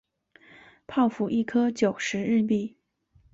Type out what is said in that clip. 泡芙一颗九十日币